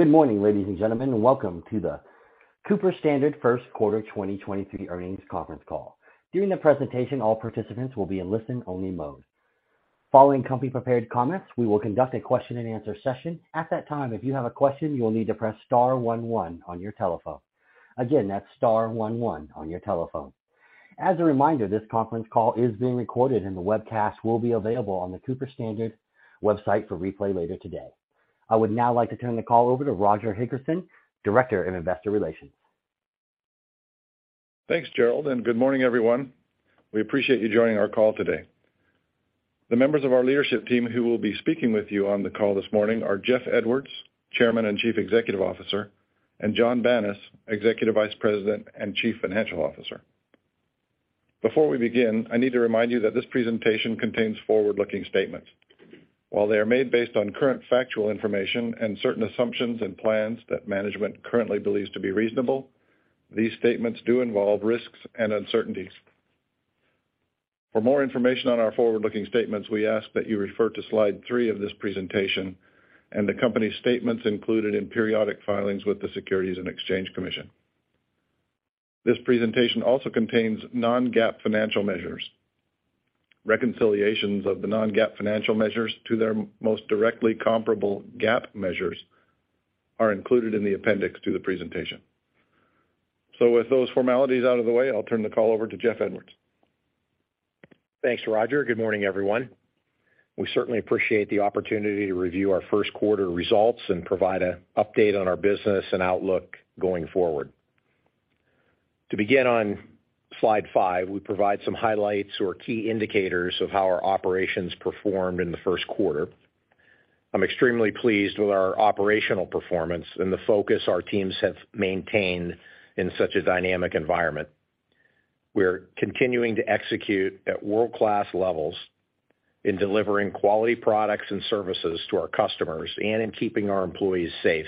Good morning, ladies and gentlemen. Welcome to the Cooper-Standard first quarter 2023 earnings conference call. During the presentation, all participants will be in listen-only mode. Following company prepared comments, we will conduct a question and answer session. At that time, if you have a question, you will need to press star one, one on your telephone. Again, that's star one, one on your telephone. As a reminder, this conference call is being recorded, and the webcast will be available on the Cooper Standard website for replay later today. I would now like to turn the call over to Roger Hendriksen, Director of Investor Relations. Thanks, Gerald, and good morning, everyone. We appreciate you joining our call today. The members of our leadership team who will be speaking with you on the call this morning are Jeffrey Edwards, Chairman and Chief Executive Officer, and Jonathan Banas, Executive Vice President and Chief Financial Officer. Before we begin, I need to remind you that this presentation contains forward-looking statements. While they are made based on current factual information and certain assumptions and plans that management currently believes to be reasonable, these statements do involve risks and uncertainties. For more information on our forward-looking statements, we ask that you refer to slide 3 of this presentation and the company's statements included in periodic filings with the Securities and Exchange Commission. This presentation also contains non-GAAP financial measures. Reconciliations of the non-GAAP financial measures to their most directly comparable GAAP measures are included in the appendix to the presentation. With those formalities out of the way, I'll turn the call over to Jeff Edwards. Thanks, Roger. Good morning, everyone. We certainly appreciate the opportunity to review our first quarter results and provide a update on our business and outlook going forward. To begin on slide five, we provide some highlights or key indicators of how our operations performed in the first quarter. I'm extremely pleased with our operational performance and the focus our teams have maintained in such a dynamic environment. We're continuing to execute at world-class levels in delivering quality products and services to our customers and in keeping our employees safe.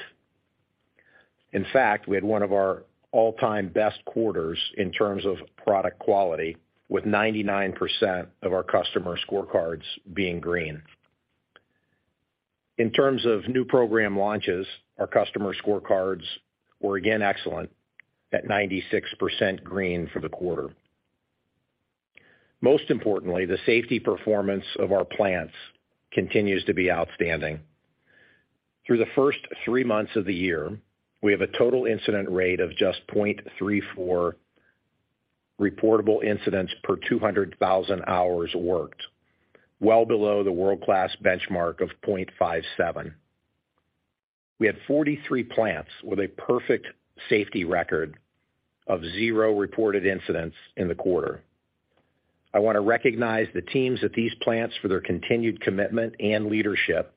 In fact, we had one of our all-time best quarters in terms of product quality, with 99% of our customer scorecards being green. In terms of new program launches, our customer scorecards were again excellent at 96% green for the quarter. Most importantly, the safety performance of our plants continues to be outstanding. Through the first three months of the year, we have a total incident rate of just 0.34 reportable incidents per 200,000 hours worked, well below the world-class benchmark of 0.57. We had 43 plants with a perfect safety record of zero reported incidents in the quarter. I wanna recognize the teams at these plants for their continued commitment and leadership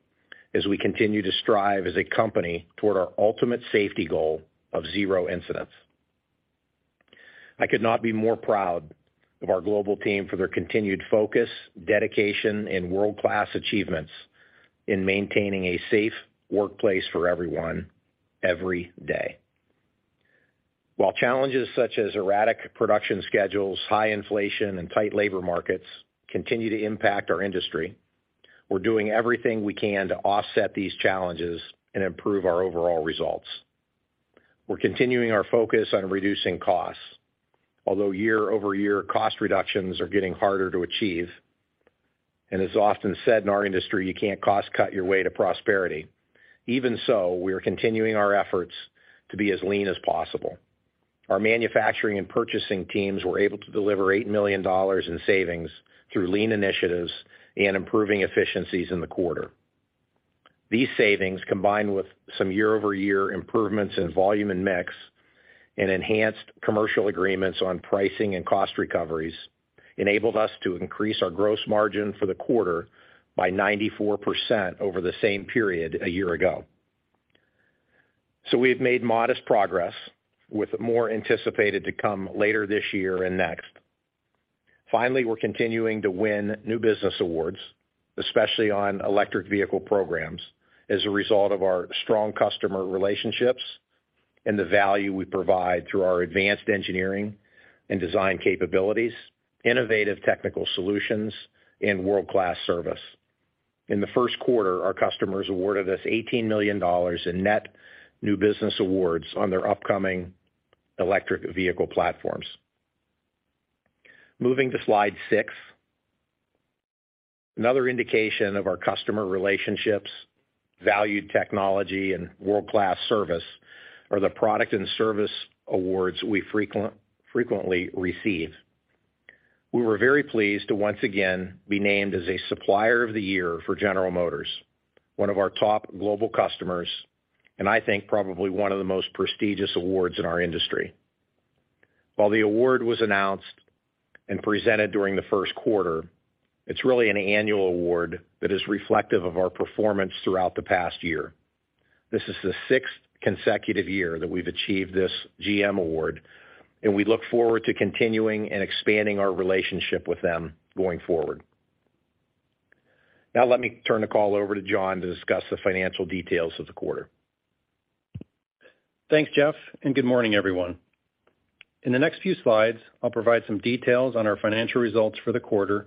as we continue to strive as a company toward our ultimate safety goal of zero incidents. I could not be more proud of our global team for their continued focus, dedication, and world-class achievements in maintaining a safe workplace for everyone every day. While challenges such as erratic production schedules, high inflation, and tight labor markets continue to impact our industry, we're doing everything we can to offset these challenges and improve our overall results. We're continuing our focus on reducing costs. Although year-over-year cost reductions are getting harder to achieve, and as often said in our industry, you can't cost cut your way to prosperity, even so, we are continuing our efforts to be as lean as possible. Our manufacturing and purchasing teams were able to deliver $8 million in savings through lean initiatives and improving efficiencies in the quarter. These savings, combined with some year-over-year improvements in volume and mix and enhanced commercial agreements on pricing and cost recoveries, enabled us to increase our gross margin for the quarter by 94% over the same period a year ago. We have made modest progress with more anticipated to come later this year and next. Finally, we're continuing to win new business awards, especially on electric vehicle programs, as a result of our strong customer relationships and the value we provide through our advanced engineering and design capabilities, innovative technical solutions, and world-class service. In the first quarter, our customers awarded us $18 million in net new business awards on their upcoming electric vehicle platforms. Moving to slide six. Another indication of our customer relationships, valued technology, and world-class service are the product and service awards we frequently receive. We were very pleased to once again be named as a Supplier of the Year for General Motors, one of our top global customers, and I think probably one of the most prestigious awards in our industry. While the award was announced and presented during the first quarter, it's really an annual award that is reflective of our performance throughout the past year. This is the sixth consecutive year that we've achieved this GM award, and we look forward to continuing and expanding our relationship with them going forward. Let me turn the call over to Jon to discuss the financial details of the quarter. Thanks, Jeff. Good morning, everyone. In the next few slides, I'll provide some details on our financial results for the quarter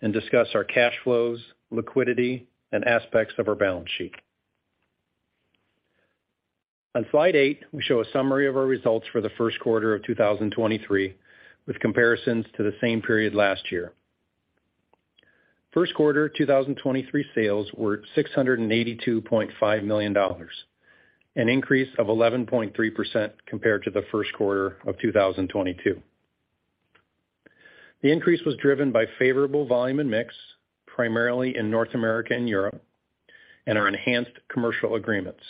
and discuss our cash flows, liquidity, and aspects of our balance sheet. On slide eight, we show a summary of our results for the first quarter of 2023, with comparisons to the same period last year. First quarter 2023 sales were $682.5 million, an increase of 11.3% compared to the first quarter of 2022. The increase was driven by favorable volume and mix, primarily in North America and Europe, and our enhanced commercial agreements.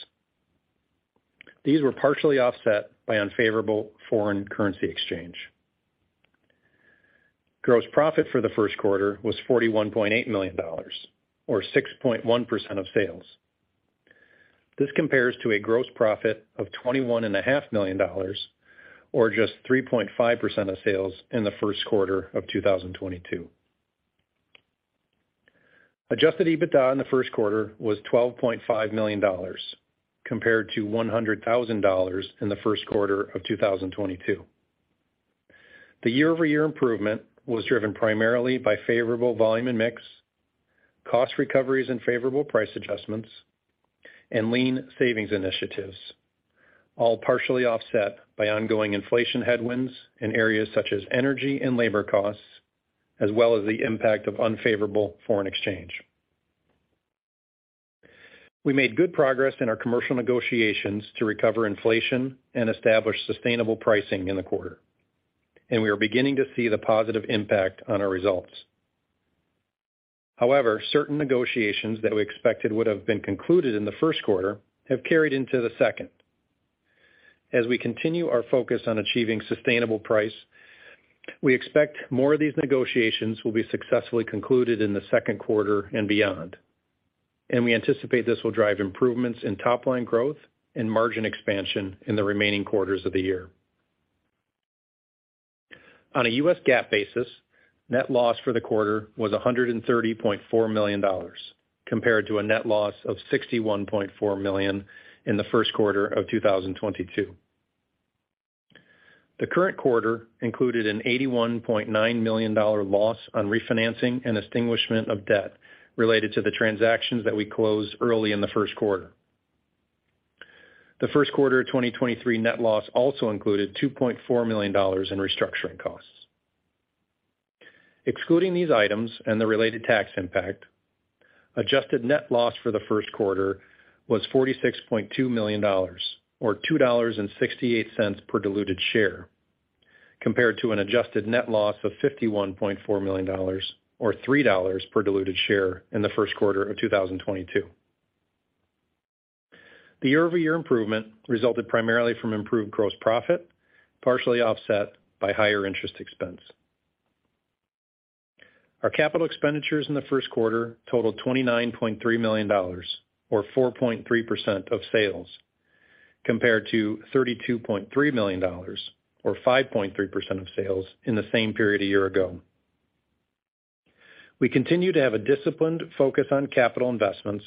These were partially offset by unfavorable foreign currency exchange. Gross profit for the first quarter was $41.8 million or 6.1% of sales. This compares to a gross profit of twenty-one and a half million dollars or just 3.5% of sales in the first quarter of 2022. Adjusted EBITDA in the first quarter was $12.5 million compared to $100,000 in the first quarter of 2022. The year-over-year improvement was driven primarily by favorable volume and mix, cost recoveries and favorable price adjustments, and lean savings initiatives, all partially offset by ongoing inflation headwinds in areas such as energy and labor costs, as well as the impact of unfavorable foreign exchange. We made good progress in our commercial negotiations to recover inflation and establish sustainable pricing in the quarter. We are beginning to see the positive impact on our results. However, certain negotiations that we expected would have been concluded in the first quarter have carried into the second. As we continue our focus on achieving sustainable price, we expect more of these negotiations will be successfully concluded in the second quarter and beyond. We anticipate this will drive improvements in top line growth and margin expansion in the remaining quarters of the year. On a U.S. GAAP basis, net loss for the quarter was $130.4 million, compared to a net loss of $61.4 million in the first quarter of 2022. The current quarter included an $81.9 million loss on refinancing and extinguishment of debt related to the transactions that we closed early in the first quarter. The first quarter of 2023 net loss also included $2.4 million in restructuring costs. Excluding these items and the related tax impact, adjusted net loss for the first quarter was $46.2 million or $2.68 per diluted share, compared to an adjusted net loss of $51.4 million or $3 per diluted share in the first quarter of 2022. The year-over-year improvement resulted primarily from improved gross profit, partially offset by higher interest expense. Our capital expenditures in the first quarter totaled $29.3 million or 4.3% of sales, compared to $32.3 million or 5.3% of sales in the same period a year ago. We continue to have a disciplined focus on capital investments,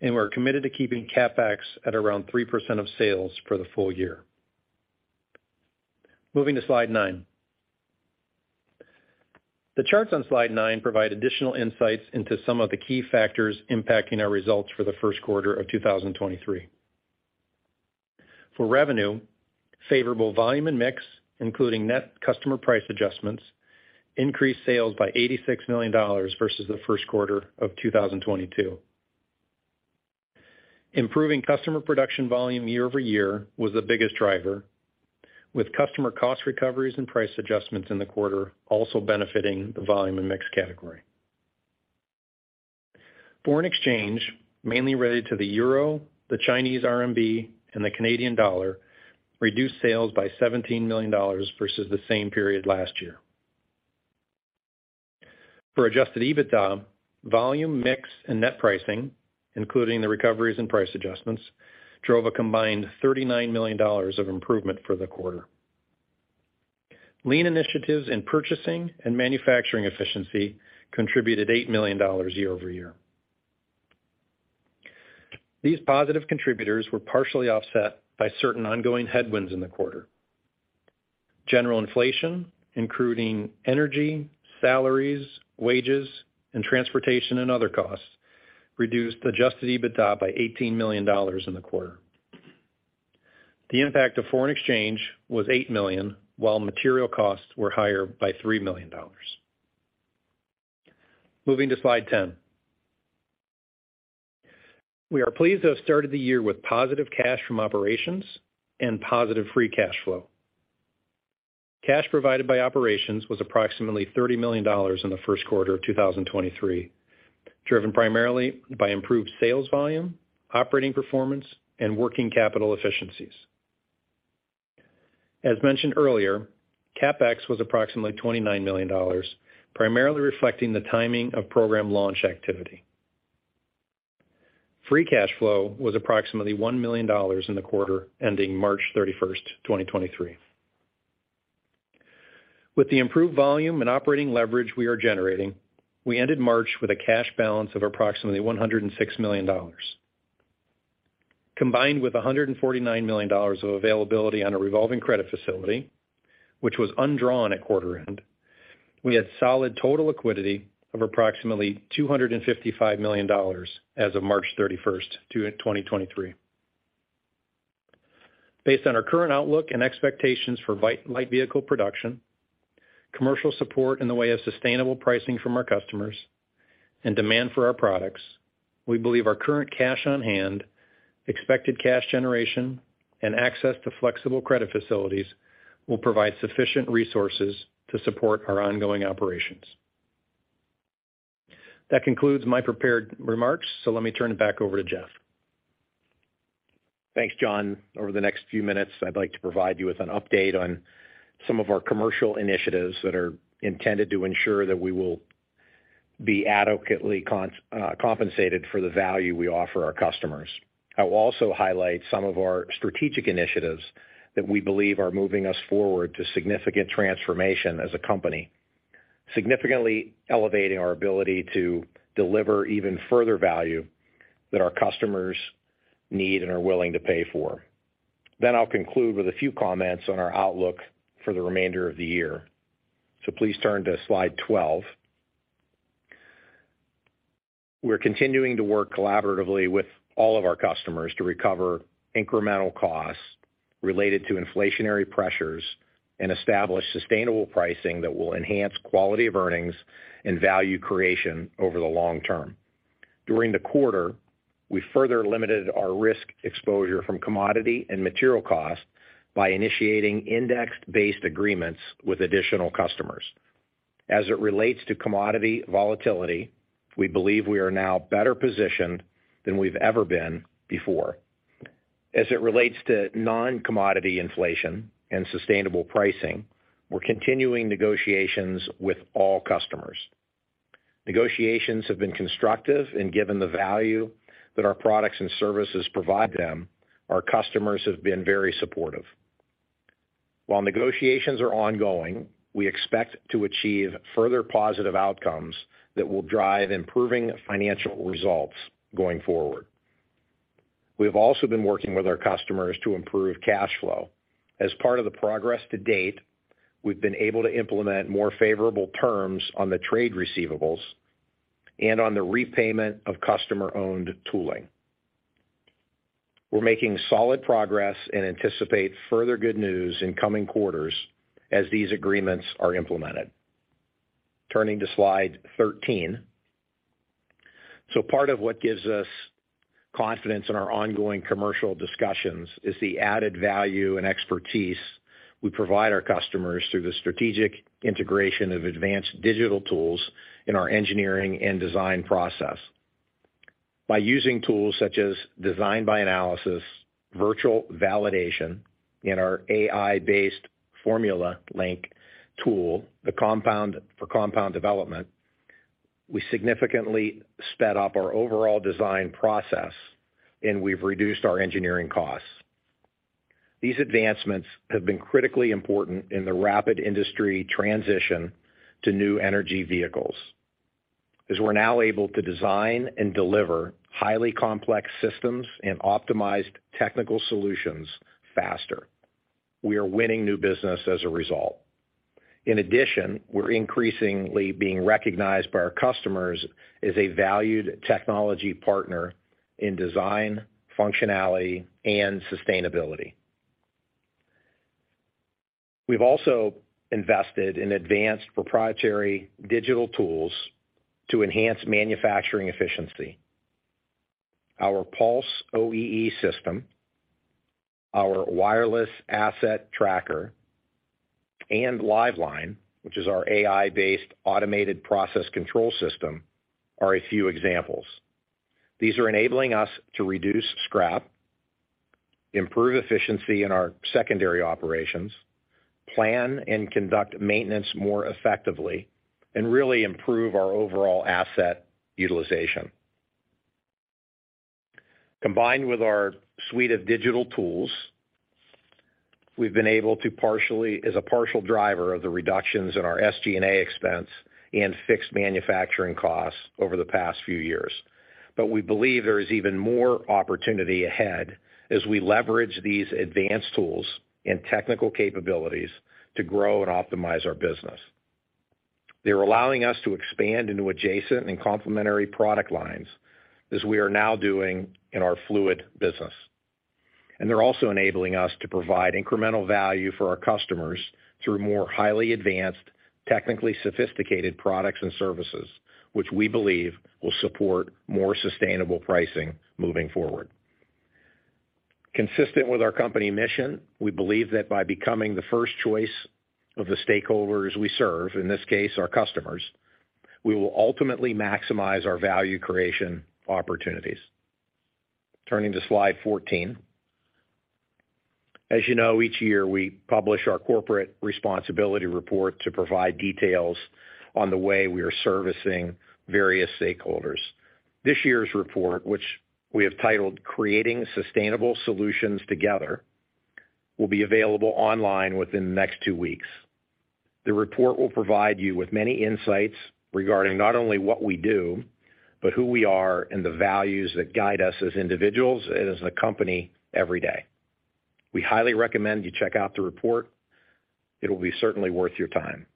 and we're committed to keeping CapEx at around 3% of sales for the full year. Moving to slide nine. The charts on slide nine provide additional insights into some of the key factors impacting our results for the first quarter of 2023. For revenue, favorable volume and mix, including net customer price adjustments, increased sales by $86 million versus the first quarter of 2022. Improving customer production volume year-over-year was the biggest driver, with customer cost recoveries and price adjustments in the quarter also benefiting the volume and mix category. Foreign exchange, mainly related to the Euro, the Chinese RMB, and the Canadian dollar, reduced sales by $17 million versus the same period last year. For adjusted EBITDA, volume, mix, and net pricing, including the recoveries and price adjustments, drove a combined $39 million of improvement for the quarter. Lean initiatives in purchasing and manufacturing efficiency contributed $8 million year-over-year. These positive contributors were partially offset by certain ongoing headwinds in the quarter. General inflation, including energy, salaries, wages, and transportation and other costs, reduced adjusted EBITDA by $18 million in the quarter. The impact of foreign exchange was $8 million, while material costs were higher by $3 million. Moving to slide 10. We are pleased to have started the year with positive cash from operations and positive free cash flow. Cash provided by operations was approximately $30 million in the first quarter of 2023, driven primarily by improved sales volume, operating performance, and working capital efficiencies. As mentioned earlier, CapEx was approximately $29 million, primarily reflecting the timing of program launch activity. Free cash flow was approximately $1 million in the quarter ending March 31, 2023. With the improved volume and operating leverage we are generating, we ended March with a cash balance of approximately $106 million. Combined with $149 million of availability on a revolving credit facility, which was undrawn at quarter end, we had solid total liquidity of approximately $255 million as of March 31, 2023. Based on our current outlook and expectations for light vehicle production, commercial support in the way of sustainable pricing from our customers and demand for our products, we believe our current cash on hand, expected cash generation, and access to flexible credit facilities will provide sufficient resources to support our ongoing operations. That concludes my prepared remarks. Let me turn it back over to Jeff. Thanks, Jon. Over the next few minutes, I'd like to provide you with an update on some of our commercial initiatives that are intended to ensure that we will be adequately compensated for the value we offer our customers. I will also highlight some of our strategic initiatives that we believe are moving us forward to significant transformation as a company, significantly elevating our ability to deliver even further value that our customers need and are willing to pay for. I'll conclude with a few comments on our outlook for the remainder of the year. Please turn to slide 12. We're continuing to work collaboratively with all of our customers to recover incremental costs related to inflationary pressures and establish sustainable pricing that will enhance quality of earnings and value creation over the long term. During the quarter, we further limited our risk exposure from commodity and material costs by initiating index-based agreements with additional customers. As it relates to commodity volatility, we believe we are now better positioned than we've ever been before. As it relates to non-commodity inflation and sustainable pricing, we're continuing negotiations with all customers. Negotiations have been constructive, and given the value that our products and services provide them, our customers have been very supportive. While negotiations are ongoing, we expect to achieve further positive outcomes that will drive improving financial results going forward. We have also been working with our customers to improve cash flow. As part of the progress to date, we've been able to implement more favorable terms on the trade receivables and on the repayment of customer-owned tooling. We're making solid progress and anticipate further good news in coming quarters as these agreements are implemented. Turning to slide 13. Part of what gives us confidence in our ongoing commercial discussions is the added value and expertise we provide our customers through the strategic integration of advanced digital tools in our engineering and design process. By using tools such as design by analysis, virtual validation, and our AI-based Formulink tool for compound development, we significantly sped up our overall design process, and we've reduced our engineering costs. These advancements have been critically important in the rapid industry transition to new energy vehicles, as we're now able to design and deliver highly complex systems and optimized technical solutions faster. We are winning new business as a result. In addition, we're increasingly being recognized by our customers as a valued technology partner in design, functionality, and sustainability. We've also invested in advanced proprietary digital tools to enhance manufacturing efficiency. Our Pulse OEE system, our Wireless Asset Tracker, and Liveline, which is our AI-based automated process control system, are a few examples. These are enabling us to reduce scrap, improve efficiency in our secondary operations, plan and conduct maintenance more effectively, and really improve our overall asset utilization. Combined with our suite of digital tools, we've been able to as a partial driver of the reductions in our SG&A expense and fixed manufacturing costs over the past few years. We believe there is even more opportunity ahead as we leverage these advanced tools and technical capabilities to grow and optimize our business. They're allowing us to expand into adjacent and complementary product lines as we are now doing in our fluid business. They're also enabling us to provide incremental value for our customers through more highly advanced, technically sophisticated products and services, which we believe will support more sustainable pricing moving forward. Consistent with our company mission, we believe that by becoming the first choice of the stakeholders we serve, in this case, our customers, we will ultimately maximize our value creation opportunities. Turning to slide 14. As you know, each year, we publish our corporate responsibility report to provide details on the way we are servicing various stakeholders. This year's report, which we have titled Creating Sustainable Solutions Together, will be available online within the next two weeks. The report will provide you with many insights regarding not only what we do, but who we are and the values that guide us as individuals and as a company every day. We highly recommend you check out the report. It will be certainly worth your time.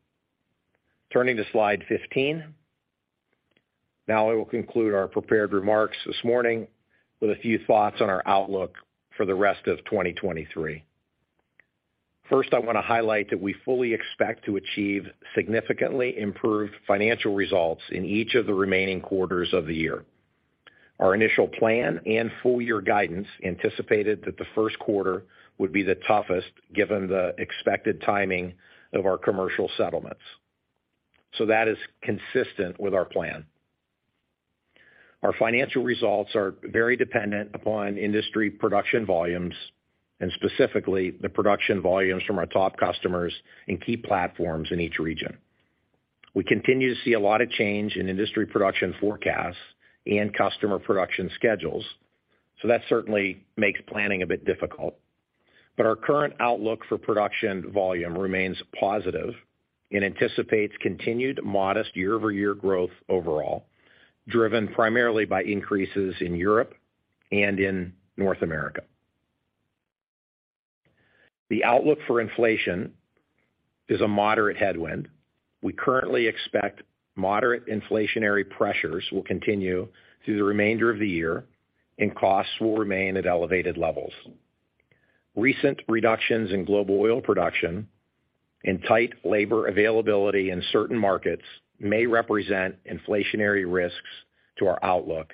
Turning to slide 15. I will conclude our prepared remarks this morning with a few thoughts on our outlook for the rest of 2023. First, I want to highlight that we fully expect to achieve significantly improved financial results in each of the remaining quarters of the year. Our initial plan and full year guidance anticipated that the first quarter would be the toughest given the expected timing of our commercial settlements. That is consistent with our plan. Our financial results are very dependent upon industry production volumes and specifically the production volumes from our top customers and key platforms in each region. We continue to see a lot of change in industry production forecasts and customer production schedules, that certainly makes planning a bit difficult. Our current outlook for production volume remains positive and anticipates continued modest year-over-year growth overall, driven primarily by increases in Europe and in North America. The outlook for inflation is a moderate headwind. We currently expect moderate inflationary pressures will continue through the remainder of the year and costs will remain at elevated levels. Recent reductions in global oil production and tight labor availability in certain markets may represent inflationary risks to our outlook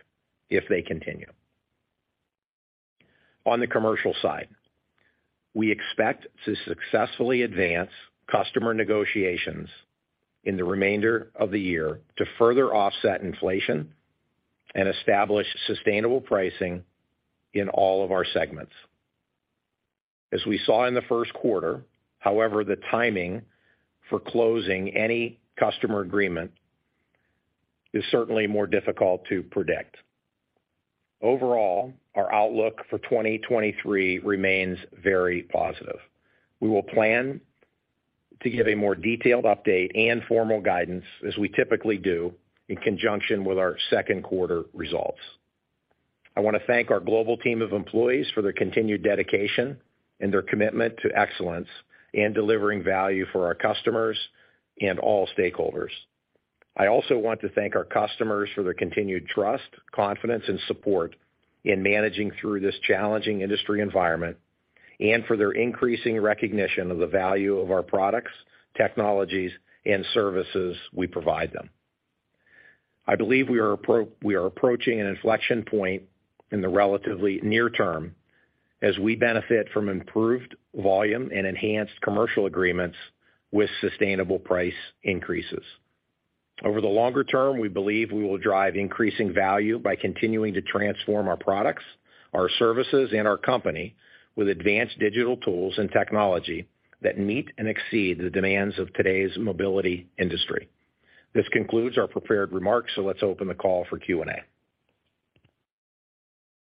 if they continue. On the commercial side, we expect to successfully advance customer negotiations in the remainder of the year to further offset inflation and establish sustainable pricing in all of our segments. As we saw in the first quarter, however, the timing for closing any customer agreement is certainly more difficult to predict. Overall, our outlook for 2023 remains very positive. We will plan to give a more detailed update and formal guidance, as we typically do in conjunction with our second quarter results. I want to thank our global team of employees for their continued dedication and their commitment to excellence in delivering value for our customers and all stakeholders. I also want to thank our customers for their continued trust, confidence and support in managing through this challenging industry environment and for their increasing recognition of the value of our products, technologies and services we provide them. I believe we are approaching an inflection point in the relatively near term as we benefit from improved volume and enhanced commercial agreements with sustainable price increases. Over the longer term, we believe we will drive increasing value by continuing to transform our products, our services, and our company with advanced digital tools and technology that meet and exceed the demands of today's mobility industry. This concludes our prepared remarks. Let's open the call for Q&A.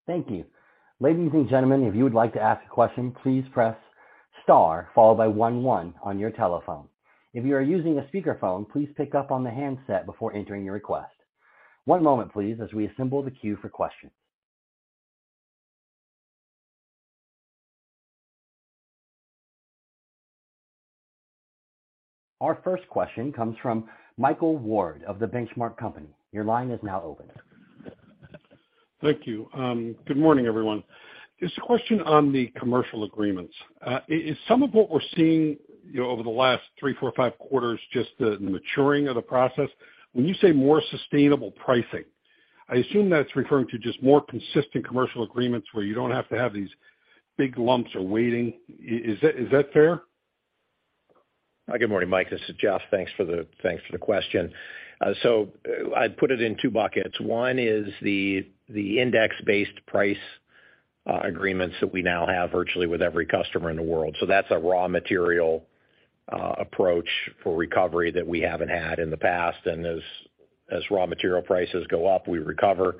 Thank you. Ladies and gentlemen, if you would like to ask a question, please press star followed by one, one on your telephone. If you are using a speakerphone, please pick up on the handset before entering your request. One moment, please, as we assemble the queue for questions. Our first question comes from Michael Ward of The Benchmark Company. Your line is now open. Thank you. Good morning, everyone. Just a question on the commercial agreements. Is some of what we're seeing over the last three, four, five quarters just the maturing of the process? When you say more sustainable pricing, I assume that's referring to just more consistent commercial agreements where you don't have to have these big lumps or waiting. Is that fair? Good morning, Michael. This is Jeffrey. Thanks for the question. I'd put it in two buckets. One is the index-based price agreements that we now have virtually with every customer in the world. That's a raw material approach for recovery that we haven't had in the past. As raw material prices go up, we recover.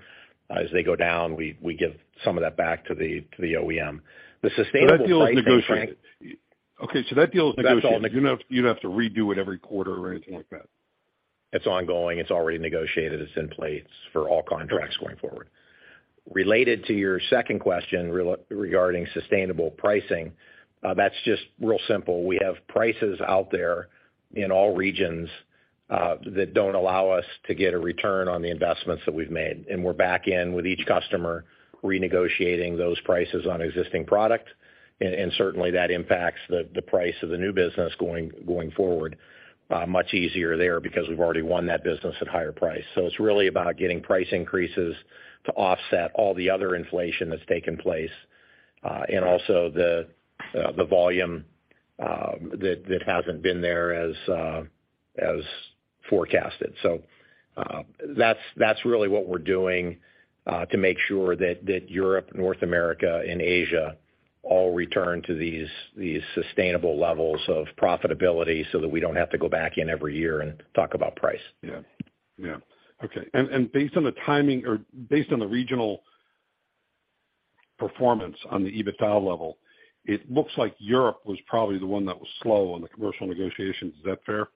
As they go down, we give some of that back to the OEM. The sustainable pricing. Okay, that deal is negotiated. That's all negotiated. You don't have to redo it every quarter or anything like that. It's ongoing. It's already negotiated. It's in place for all contracts going forward. Related to your second question regarding sustainable pricing, that's just real simple. We have prices out there in all regions that don't allow us to get a return on the investments that we've made. We're back in with each customer renegotiating those prices on existing product. Certainly that impacts the price of the new business going forward, much easier there because we've already won that business at higher price. It's really about getting price increases to offset all the other inflation that's taken place, and also the volume that hasn't been there as forecasted. That's really what we're doing to make sure that Europe, North America and Asia all return to these sustainable levels of profitability so that we don't have to go back in every year and talk about price. Yeah. Okay. based on the timing or based on the regional performance on the EBITDA level, it looks like Europe was probably the one that was slow on the commercial negotiations. Is that fair?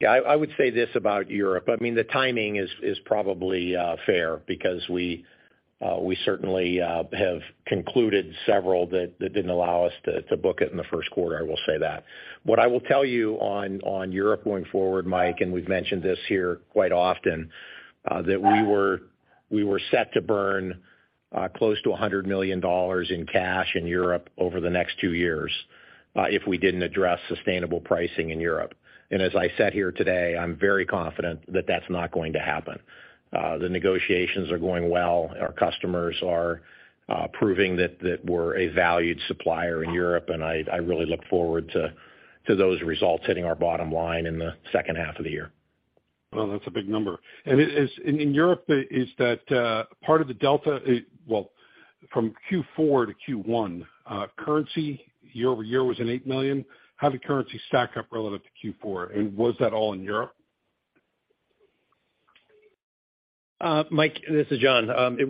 Yeah. I would say this about Europe. I mean, the timing is probably fair because we certainly have concluded several that didn't allow us to book it in the first quarter, I will say that. What I will tell you on Europe going forward, Mike, we've mentioned this here quite often, that we were set to burn close to $100 million in cash in Europe over the next two years, if we didn't address sustainable pricing in Europe. As I sit here today, I'm very confident that that's not going to happen. The negotiations are going well. Our customers are proving that we're a valued supplier in Europe, I really look forward to those results hitting our bottom line in the second half of the year. That's a big number. In Europe, is that part of the delta? From Q4 to Q1, currency year-over-year was in $8 million. How did currency stack up relative to Q4, and was that all in Europe? Mike, this is Jon.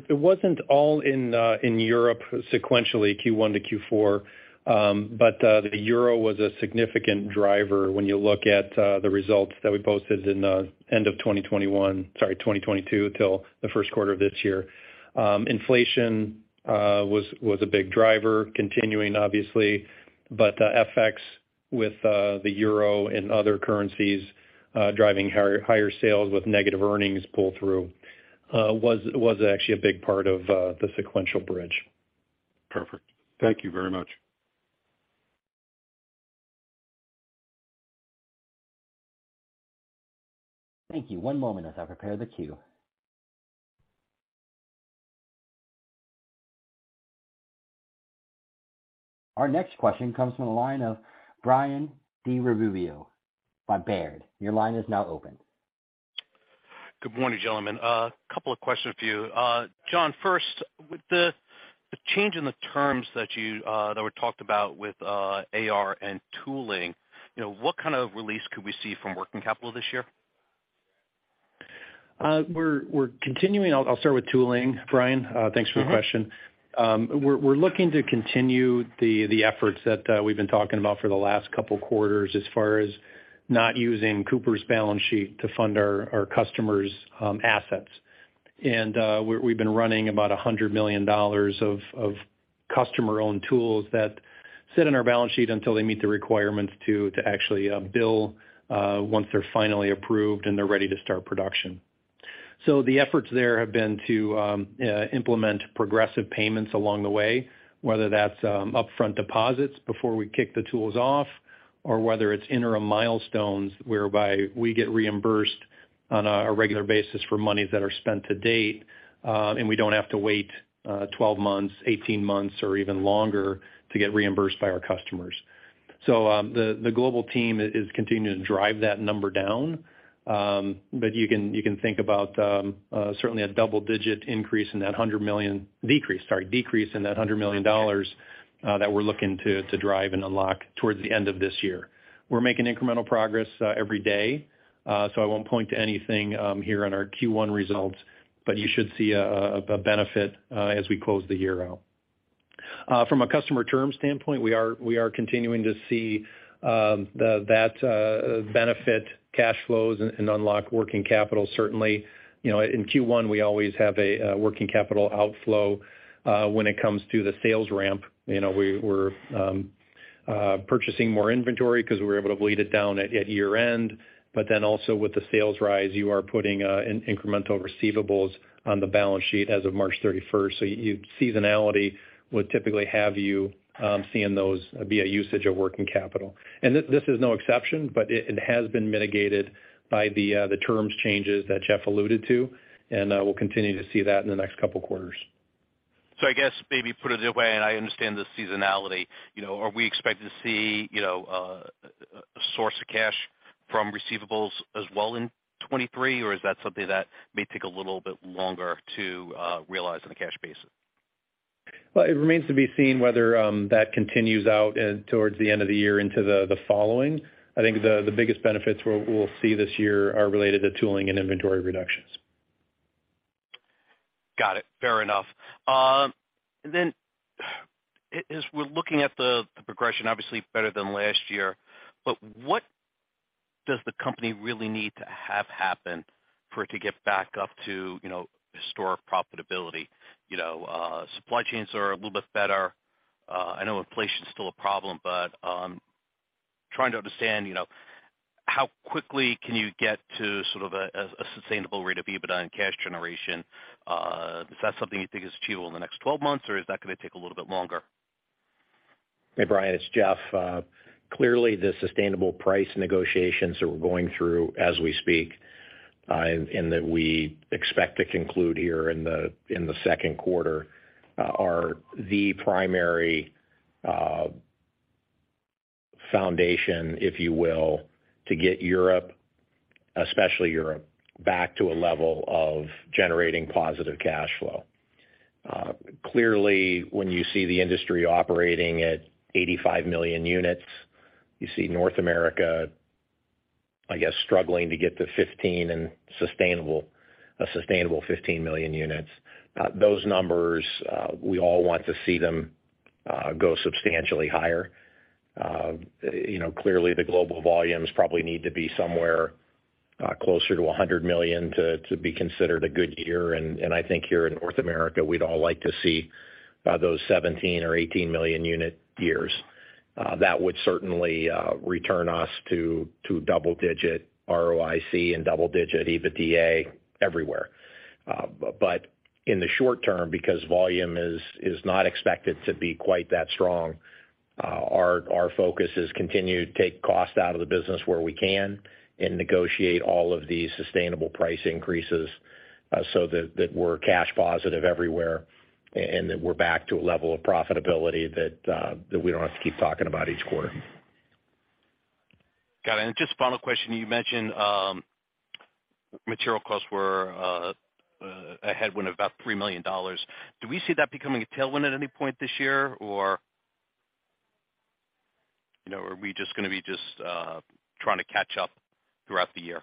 It wasn't all in Europe sequentially Q1 to Q4. The euro was a significant driver when you look at the results that we posted in the end of 2021... sorry, 2022 till the first quarter of this year. Inflation was a big driver, continuing obviously. The FX with the euro and other currencies, driving higher sales with negative earnings pull through, was actually a big part of the sequential bridge. Perfect. Thank you very much. Thank you. One moment as I prepare the queue. Our next question comes from the line of Brian DiRubbio by Baird. Your line is now open. Good morning, gentlemen. Couple of questions for you. Jon, first, with the change in the terms that you that were talked about with AR and tooling, you know, what kind of release could we see from working capital this year? I'll start with tooling, Brian. Thanks for the question. We're looking to continue the efforts that we've been talking about for the last couple quarters as far as not using Cooper Standard's balance sheet to fund our customers' assets. We've been running about $100 million of customer-owned tools that sit on our balance sheet until they meet the requirements to actually bill once they're finally approved and they're ready to start production. The efforts there have been to implement progressive payments along the way, whether that's upfront deposits before we kick the tools off or whether it's interim milestones whereby we get reimbursed on a regular basis for monies that are spent to date, and we don't have to wait 12 months, 18 months or even longer to get reimbursed by our customers. The global team is continuing to drive that number down. You can, you can think about certainly a double-digit increase in that $100 million... decrease, sorry, decrease in that $100 million that we're looking to drive and unlock towards the end of this year. We're making incremental progress every day. I won't point to anything here on our Q1 results, but you should see a benefit as we close the year out. From a customer term standpoint, we are continuing to see that benefit cash flows and unlock working capital. Certainly, you know, in Q1, we always have a working capital outflow when it comes to the sales ramp. You know, we're purchasing more inventory 'cause we were able to bleed it down at year-end. With the sales rise, you are putting incremental receivables on the balance sheet as of March 31st. Seasonality would typically have you seeing those via usage of working capital. This is no exception, but it has been mitigated by the terms changes that Jeff alluded to, and we'll continue to see that in the next couple quarters. I guess maybe put it away, and I understand the seasonality. You know, are we expected to see, you know, a source of cash from receivables as well in 2023, or is that something that may take a little bit longer to realize on a cash basis? It remains to be seen whether that continues out and towards the end of the year into the following. I think the biggest benefits we'll see this year are related to tooling and inventory reductions. Got it. Fair enough. As we're looking at the progression, obviously better than last year, but what does the company really need to have happen for it to get back up to, you know, historic profitability? You know, supply chains are a little bit better. I know inflation is still a problem, but trying to understand, you know, how quickly can you get to sort of a sustainable rate of EBITDA and cash generation? Is that something you think is achievable in the next 12 months, or is that gonna take a little bit longer? Hey, Brian, it's Jeff. Clearly, the sustainable price negotiations that we're going through as we speak, and that we expect to conclude here in the second quarter, are the primary foundation, if you will, to get Europe, especially Europe, back to a level of generating positive cash flow. Clearly, when you see the industry operating at 85 million units, you see North America, I guess, struggling to get to 15 and a sustainable 15 million units. Those numbers, we all want to see them go substantially higher. You know, clearly the global volumes probably need to be somewhere closer to 100 million to be considered a good year. I think here in North America, we'd all like to see those 17 or 18 million unit years. That would certainly return us to double digit ROIC and double digit EBITDA everywhere. In the short term, because volume is not expected to be quite that strong, our focus is continue to take cost out of the business where we can and negotiate all of these sustainable price increases, so that we're cash positive everywhere and that we're back to a level of profitability that we don't have to keep talking about each quarter. Got it. Just final question. You mentioned material costs were a headwind of about $3 million. Do we see that becoming a tailwind at any point this year? You know, are we just gonna be trying to catch up throughout the year?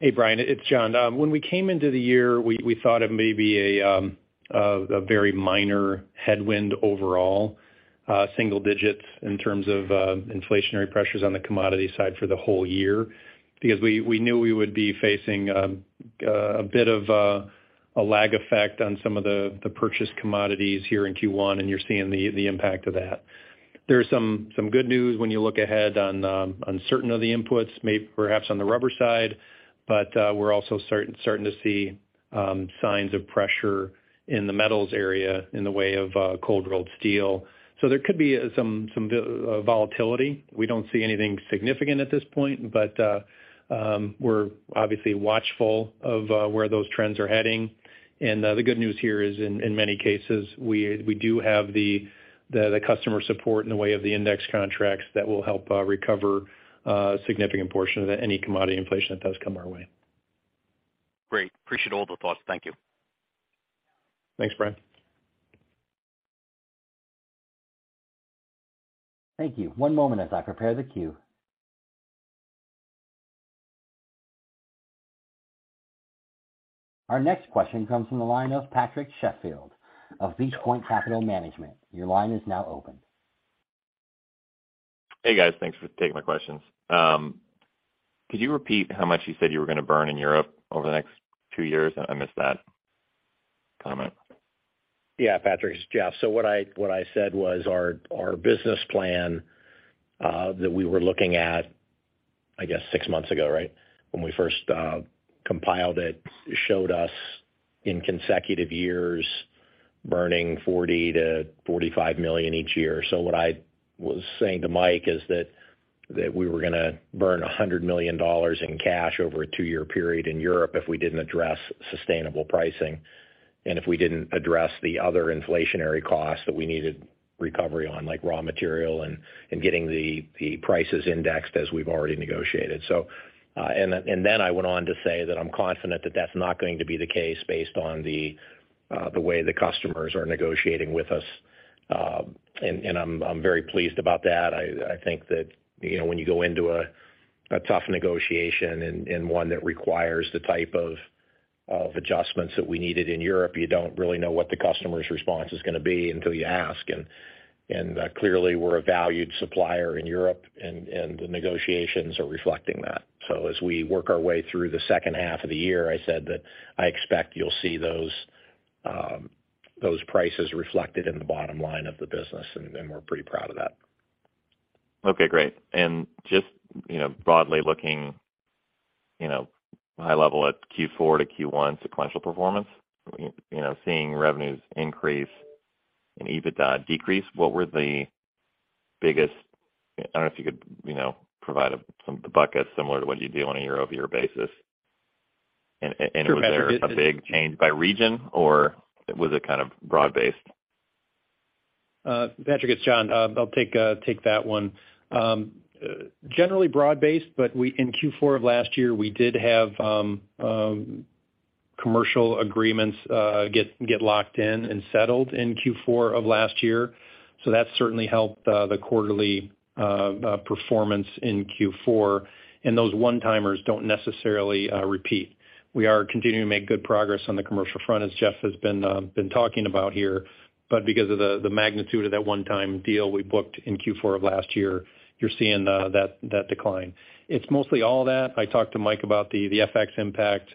Hey, Brian, it's Jon. Um, when we came into the year, we, we thought it may be a, um, a, a very minor headwind overall, uh, single digits in terms of, uh, inflationary pressures on the commodity side for the whole year. Because we, we knew we would be facing, um, a, a bit of a, a lag effect on some of the, the purchase commodities here in Q1, and you're seeing the, the impact of that. There are some, some good news when you look ahead on, um, on certain of the inputs may perhaps on the rubber side, but, uh, we're also starting, starting to see, um, signs of pressure in the metals area in the way of, uh, cold rolled steel. So there could be some, some, uh, volatility. We don't see anything significant at this point, but we're obviously watchful of where those trends are heading. The good news here is in many cases, we do have the customer support in the way of the index contracts that will help recover significant portion of any commodity inflation that does come our way. Great. Appreciate all the thoughts. Thank you. Thanks, Brian. Thank you. One moment as I prepare the queue. Our next question comes from the line of Patrick Sheffield of Beach Point Capital Management. Your line is now open. Hey, guys. Thanks for taking my questions. Could you repeat how much you said you were gonna burn in Europe over the next two years? I missed that comment. Yeah, Patrick, it's Jeff. What I said was our business plan that we were looking at, I guess, six months ago, right? When we first compiled it, showed us in consecutive years burning $40 million-$45 million each year. What I was saying to Mike is that we were gonna burn $100 million in cash over a two-year period in Europe if we didn't address sustainable pricing and if we didn't address the other inflationary costs that we needed recovery on, like raw material and getting the prices indexed as we've already negotiated. Then I went on to say that I'm confident that that's not going to be the case based on the way the customers are negotiating with us. I'm very pleased about that. I think that, you know, when you go into a tough negotiation and one that requires the type of adjustments that we needed in Europe, you don't really know what the customer's response is gonna be until you ask. Clearly, we're a valued supplier in Europe, and the negotiations are reflecting that. As we work our way through the second half of the year, I said that I expect you'll see those prices reflected in the bottom line of the business, and we're pretty proud of that. Okay, great. Just, you know, broadly looking, you know, high level at Q4 to Q1 sequential performance. You know, seeing revenues increase and EBITDA decrease, what were the biggest, I don't know if you could, you know, provide some of the buckets similar to what you do on a year-over-year basis? Sure. And was there a big change by region or was it kind of broad-based? Patrick, it's Jon. I'll take that one. Generally broad-based, but in Q4 of last year, we did have commercial agreements get locked in and settled in Q4 of last year. That's certainly helped the quarterly performance in Q4. Those one-timers don't necessarily repeat. We are continuing to make good progress on the commercial front, as Jeff has been talking about here. Because of the magnitude of that one-time deal we booked in Q4 of last year, you're seeing that decline. It's mostly all that. I talked to Michael about the FX impact.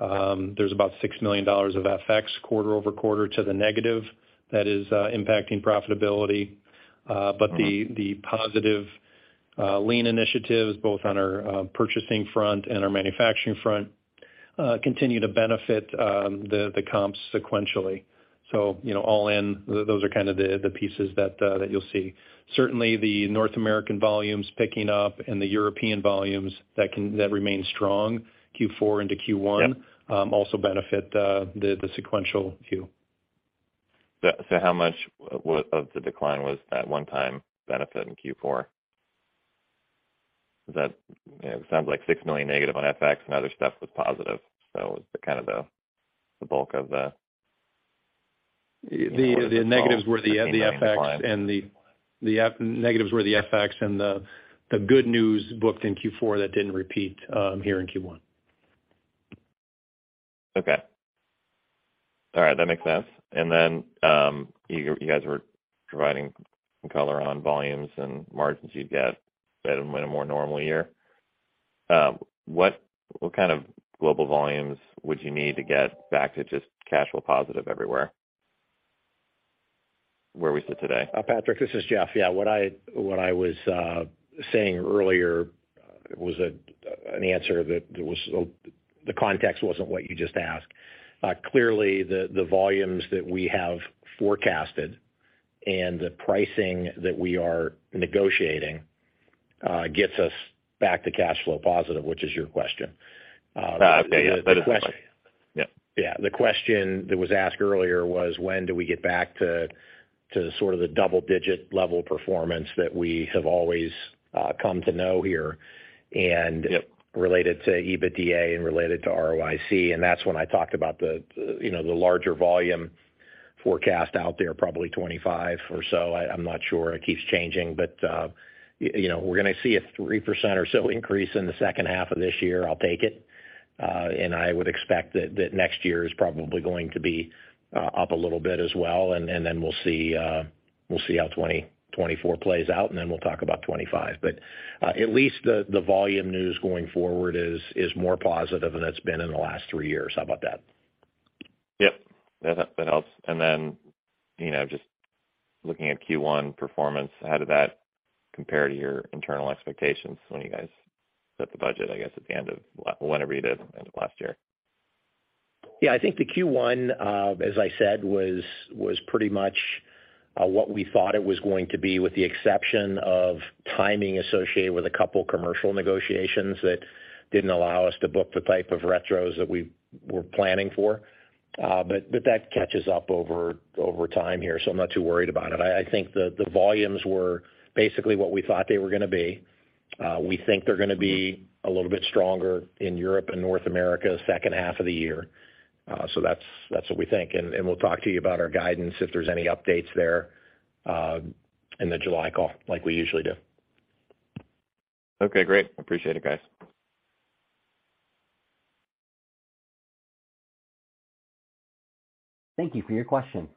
There's about $6 million of FX quarter-over-quarter to the negative that is impacting profitability. The positive, lean initiatives, both on our purchasing front and our manufacturing front, continue to benefit the comps sequentially. You know, all in, those are kind of the pieces that you'll see. Certainly, the North American volumes picking up and the European volumes that remain strong Q4 into Q1. Yep. Also benefit the sequential view. So how much of the decline was that one-time benefit in Q4? That, you know, sounds like $6 million negative on FX and other stuff was positive. Kind of the bulk of the. The negatives were the FX and the good news booked in Q4 that didn't repeat here in Q1. Okay. All right. That makes sense. You guys were providing some color on volumes and margins you'd get in a more normal year. What kind of global volumes would you need to get back to just casual positive everywhere where we sit today? Patrick, this is Jeff. Yeah. What I was saying earlier was an answer that was, the context wasn't what you just asked. Clearly the volumes that we have forecasted and the pricing that we are negotiating gets us back to cash flow positive, which is your question. The question. Yeah. Yeah. The question that was asked earlier was when do we get back to sort of the double-digit level performance that we have always come to know here. Yep. -related to EBITDA and related to ROIC, and that's when I talked about the, you know, the larger volume forecast out there, probably 25 or so. I'm not sure. It keeps changing. You know, we're gonna see a 3% or so increase in the second half of this year. I'll take it. I would expect that 2024 is probably going to be up a little bit as well, and then we'll see, we'll see how 2024 plays out, and then we'll talk about 2025. At least the volume news going forward is more positive than it's been in the last three years. How about that? Yep. That helps. Then, you know, just looking at Q1 performance, how did that compare to your internal expectations when you guys set the budget, I guess at the end of... Whenever you did last year? Yeah. I think the Q1, as I said, was pretty much what we thought it was going to be, with the exception of timing associated with a couple commercial negotiations that didn't allow us to book the type of retros that we were planning for. That catches up over time here, so I'm not too worried about it. I think the volumes were basically what we thought they were gonna be. We think they're gonna be a little bit stronger in Europe and North America second half of the year. That's what we think. We'll talk to you about our guidance, if there's any updates there, in the July call like we usually do. Okay, great. Appreciate it, guys. Thank you for your question.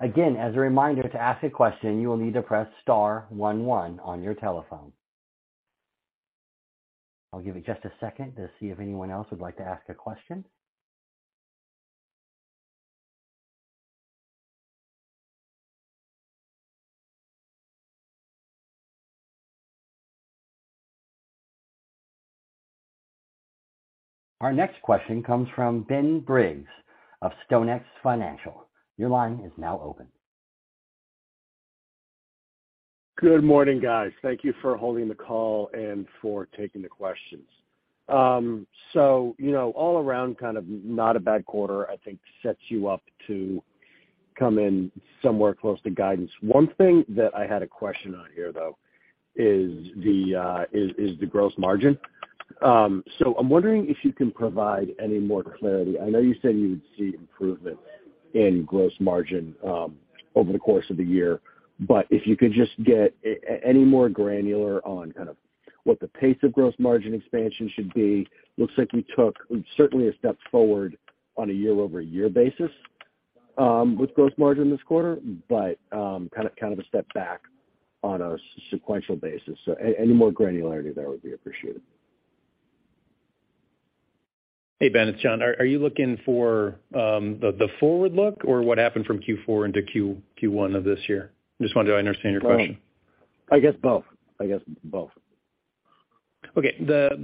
Again, as a reminder, to ask a question, you will need to press star one one on your telephone. I'll give it just a second to see if anyone else would like to ask a question. Our next question comes from Ben Briggs of StoneX Financial. Your line is now open. Good morning, guys. Thank you for holding the call and for taking the questions. You know, all around, kind of not a bad quarter I think sets you up to come in somewhere close to guidance. One thing that I had a question on here, though, is the gross margin. I'm wondering if you can provide any more clarity. I know you said you would see improvements in gross margin over the course of the year, but if you could just get any more granular on kind of what the pace of gross margin expansion should be. Looks like you took certainly a step forward on a year-over-year basis with gross margin this quarter, but kind of a step back on a sequential basis. Any more granularity there would be appreciated. Hey, Ben, it's Jon. Are you looking for the forward look or what happened from Q4 into Q1 of this year? Just wanted to understand your question. I guess both. Okay.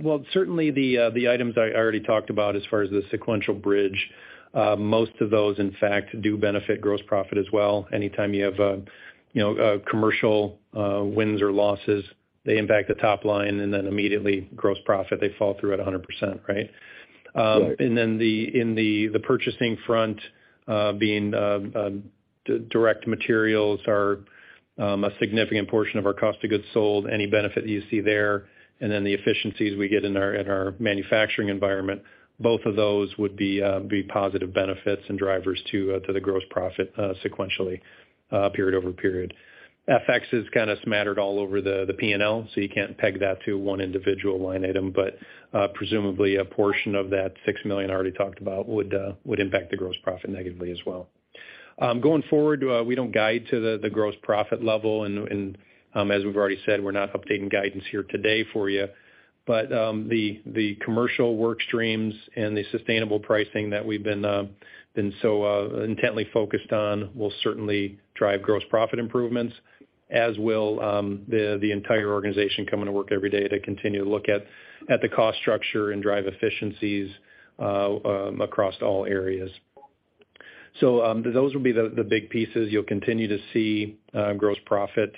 Well, certainly the items I already talked about as far as the sequential bridge, most of those in fact do benefit gross profit as well. Anytime you have, you know, a commercial wins or losses, they impact the top line and then immediately gross profit, they fall through at 100%, right? Right. Then the, in the purchasing front, being direct materials are a significant portion of our cost of goods sold, any benefit you see there, and then the efficiencies we get in our, in our manufacturing environment, both of those would be positive benefits and drivers to the gross profit sequentially period over period. FX is kind of smattered all over the P&L, you can't peg that to one individual line item. Presumably a portion of that $6 million I already talked about would impact the gross profit negatively as well. Going forward, we don't guide to the gross profit level and, as we've already said, we're not updating guidance here today for you. The commercial work streams and the sustainable pricing that we've been so intently focused on will certainly drive gross profit improvements, as will the entire organization coming to work every day to continue to look at the cost structure and drive efficiencies across all areas. Those will be the big pieces. You'll continue to see gross profit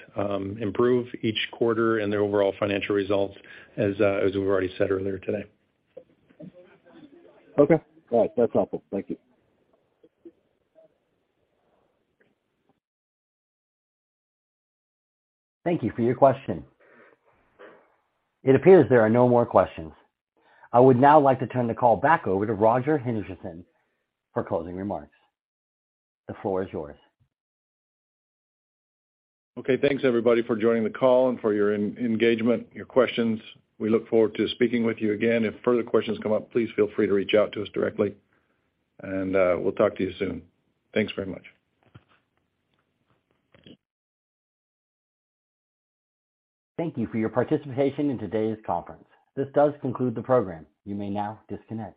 improve each quarter and the overall financial results as we've already said earlier today. Okay. All right. That's helpful. Thank you. Thank you for your question. It appears there are no more questions. I would now like to turn the call back over to Roger Hendriksen for closing remarks. The floor is yours. Okay. Thanks, everybody, for joining the call and for your engagement, your questions. We look forward to speaking with you again. If further questions come up, please feel free to reach out to us directly. We'll talk to you soon. Thanks very much. Thank you for your participation in today's conference. This does conclude the program. You may now disconnect.